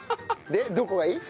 でどこがいい？